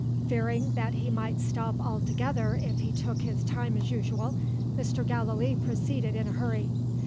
Fearing that he might stop altogether if he took his time as usual, Mr. Gallilee proceeded in a hurry.